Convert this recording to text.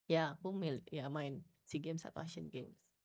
ya aku main sea games atau asian games